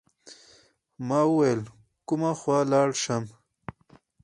ما ویل کومه خوا لاړ شم.